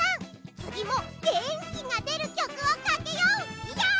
つぎもげんきがでるきょくをかけようよ！